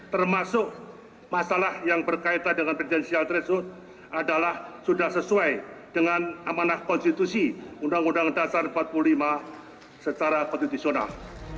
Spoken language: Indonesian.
termasuk masalah yang berkaitan dengan presidensial threshold adalah sudah sesuai dengan amanah konstitusi undang undang dasar empat puluh lima secara konstitusional